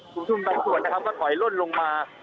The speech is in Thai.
กรุ่มคุมทั้งส่วนก็ถอยล้นลงมา